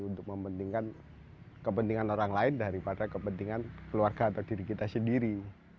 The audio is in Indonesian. jadi untuk mempentingkan kepentingan orang lain daripada kepentingan keluarga atau diri kita sendiri